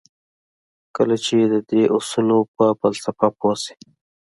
کله چې د دې اصولو پر فلسفه پوه شئ.